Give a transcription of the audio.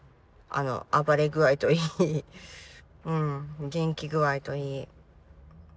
あの暴れ具合といい元気具合といい。